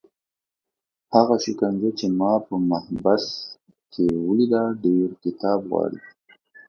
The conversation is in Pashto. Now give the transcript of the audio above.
هغه شکنجه چې ما په محبس کې ولیده ډېر کتاب غواړي.